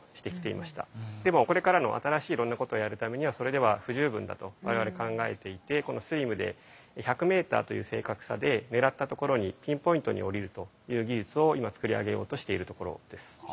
でもこれからの新しいいろんなことをやるためにはそれでは不十分だと我々考えていてこのＳＬＩＭで１００メーターという正確さで狙ったところにピンポイントに降りるという技術を今作り上げようとしているところです。